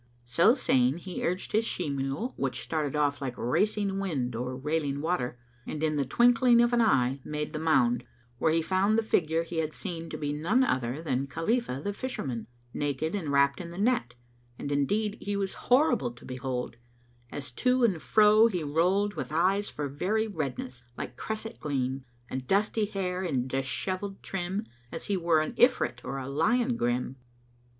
So saying, he urged his she mule, which started off like racing wind or railing water and, in the twinkling of an eye, made the mound, where he found the figure he had seen to be none other than Khalifah the Fisherman, naked and wrapped in the net; and indeed he was horrible to behold, as to and fro he rolled with eyes for very redness like cresset gleam and dusty hair in dishevelled trim, as he were an Ifrit or a lion grim.